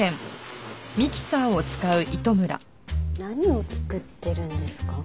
何を作ってるんですか？